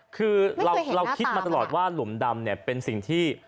คือเราคิดมาตลอดว่าหลุมดำเนี่ยเป็นสิ่งที่